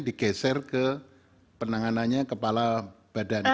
digeser ke penanganannya kepala badan